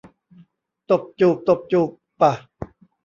ตบจูบ ตบจูบ ปะ